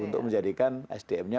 untuk menjadikan sdm nya